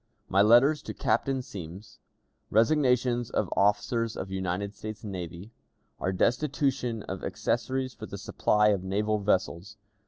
My Letter to Captain Semmes. Resignations of Officers of United States Navy. Our Destitution of Accessories for the Supply of Naval Vessels.